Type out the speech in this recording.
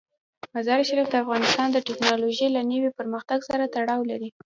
مزارشریف د افغانستان د تکنالوژۍ له نوي پرمختګ سره تړاو لري.